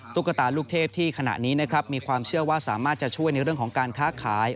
ตุ๊กตาลูกเทพที่ขณะนี้นะครับมีความเชื่อว่าสามารถจะช่วยในเรื่องของการค้าขาย